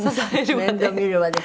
面倒見るわで。